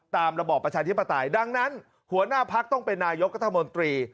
ระบอบประชาธิปไตยดังนั้นหัวหน้าพักต้องเป็นนายกรัฐมนตรี